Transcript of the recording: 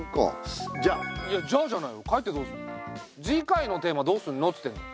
次回のテーマどうすんのっつってんの。